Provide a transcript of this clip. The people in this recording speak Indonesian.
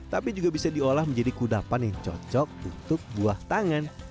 tapi juga bisa diolah menjadi kudapan yang cocok untuk buah tangan